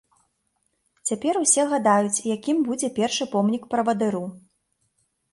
Цяпер усе гадаюць, якім будзе першы помнік правадыру.